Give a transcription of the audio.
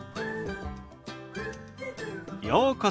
ようこそ。